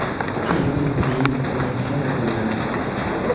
Tio ne vin koncernas.